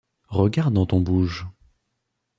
Regarde dans ton bouge